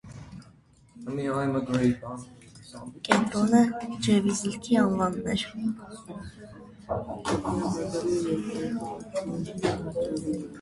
Կենտրոնը Ջևիզլիք ավանն էր։